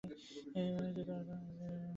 উপযোগবাদিগণ, তোমরা যাহাতে সুখে থাক, তাহা বেশ।